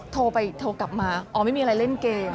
โทรไปโทรกลับมาอ๋อไม่มีอะไรเล่นเกม